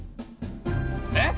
えっ！？